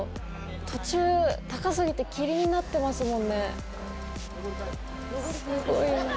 途中、高すぎて霧になってますもんね。